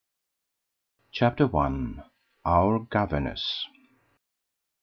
CHAPTER I. OUR GOVERNESS.